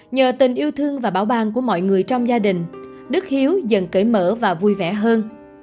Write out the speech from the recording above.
nhờ tình yêu thương và bảo ban của mọi người trong gia đình đức hiếu dần cởi mở và vui vẻ hơn